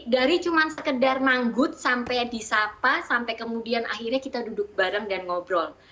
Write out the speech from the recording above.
dari cuma sekedar manggut sampai disapa sampai kemudian akhirnya kita duduk bareng dan ngobrol